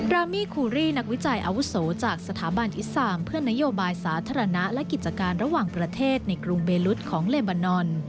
รามี่คูรีนักวิจัยอาวุโสจากสถาบันอิสซามเพื่อนโยบายสาธารณะและกิจการระหว่างประเทศในกรุงเบลุดของเลบานอน